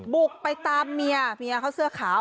บุกไปตามเมียเมียเขาเสื้อขาว